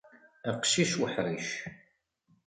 Aqcic uḥṛic.